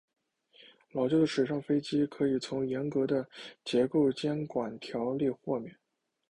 老旧的水上飞机可从严格的结构监管条例豁免。